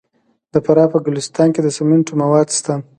د فراه په ګلستان کې د سمنټو مواد شته.